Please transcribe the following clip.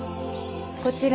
こちら